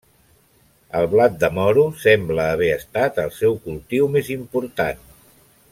El blat de moro sembla haver estat el seu cultiu més important.